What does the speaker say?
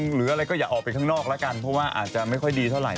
หรืออะไรก็อย่าออกไปข้างนอกแล้วกันเพราะว่าอาจจะไม่ค่อยดีเท่าไห